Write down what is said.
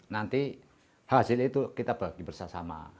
nanti hasilnya itu kita bagi bersama